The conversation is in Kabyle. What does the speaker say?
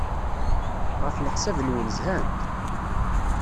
Ɣef leḥsab-nwen, zhant?